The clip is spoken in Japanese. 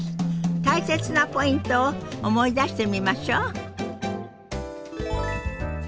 大切なポイントを思い出してみましょう。